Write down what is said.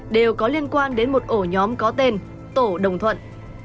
đều có liên quan đến một ổ nhóm có tên tổ đồng thuận